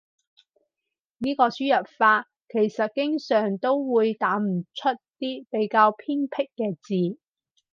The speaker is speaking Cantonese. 呢個輸入法其實經常都會打唔出啲比較偏僻嘅字